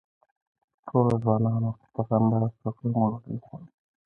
ټول ځوانان وو، په خندا او شوخۍ مو ډوډۍ وخوړله.